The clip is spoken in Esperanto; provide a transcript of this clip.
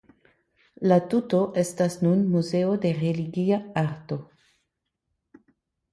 La tuto estas nun Muzeo de Religia Arto.